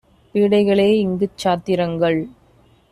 பீடைகளே இங்குச் சாத்திரங்கள்!